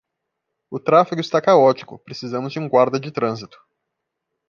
O tráfego está caótico, precisamos de um guarda de trânsito